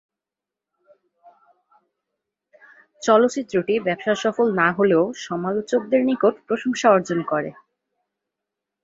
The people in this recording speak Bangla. চলচ্চিত্রটি ব্যবসাসফল না হলেও সমালোচকদের নিকট প্রশংসা অর্জন করে।